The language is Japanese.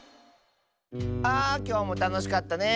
あきょうもたのしかったね。